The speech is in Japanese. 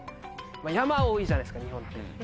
山多いじゃないですか日本って。